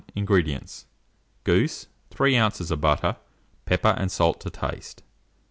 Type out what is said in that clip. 969. INGREDIENTS. Goose, 3 oz. of butter, pepper and salt to taste.